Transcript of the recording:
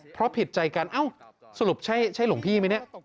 เพราะผิดใจกันเอ้าสรุปใช่หลวงพี่ไหมเนี่ย